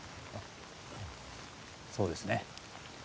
そうですね。